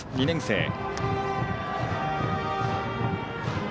２年生。